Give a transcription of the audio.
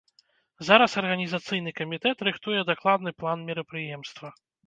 Зараз арганізацыйны камітэт рыхтуе дакладны план мерапрыемства.